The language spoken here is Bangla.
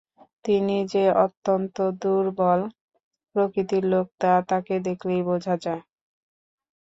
তিনি যে অত্যন্ত দুর্বল প্রকৃতির লোক তা তাকে দেখলেই বোঝা যায়।